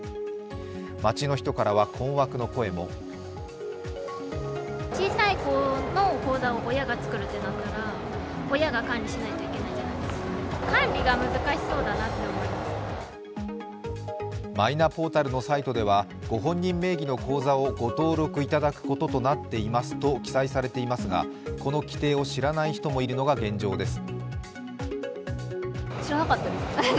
街の人からは困惑の声もマイナポータルのサイトではご本人名義の口座をご登録いただくこととなっていますと記載されていますがこの規程を知らない人もいるのが現状です。